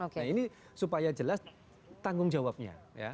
nah ini supaya jelas tanggung jawabnya